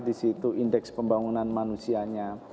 di situ indeks pembangunan manusianya